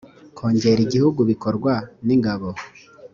kongere igihugu bikorwa ningabo